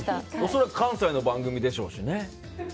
恐らく関西の番組でしょうしね。